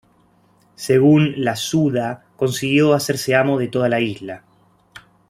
Según la "Suda," consiguió hacerse amo de toda la isla.